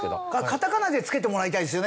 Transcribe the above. カタカナでつけてもらいたいですよね。